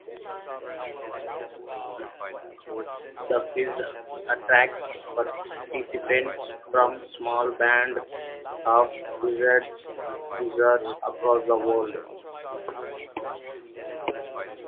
The quiz attracts participants from a small band of diehard quizzers across the world.